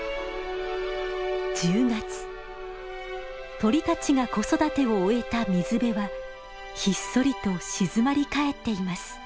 鳥たちが子育てを終えた水辺はひっそりと静まり返っています。